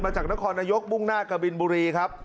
จากนครนายกมุ่งหน้ากะบินบุรีครับ